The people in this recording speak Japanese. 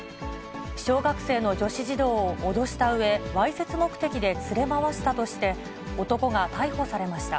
小学生の女子児童を脅したうえ、わいせつ目的で連れ回したとして、男が逮捕されました。